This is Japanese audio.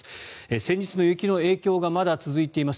先日の雪の影響がまだ続いています。